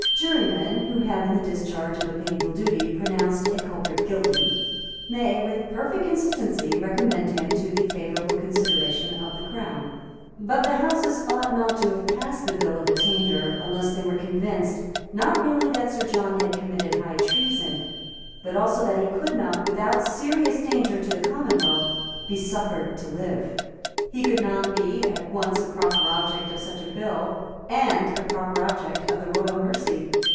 Jurymen, who have, in the discharge of a painful duty, pronounced a culprit guilty, may, with perfect consistency, recommend him to the favourable consideration of the Crown. But the Houses ought not to have passed the Bill of Attainder unless they were convinced, not merely that Sir John had committed high treason, but also that he could not, without serious danger to the Commonwealth, be suffered to live. He could not be at once a proper object of such a bill and a proper object of the royal mercy.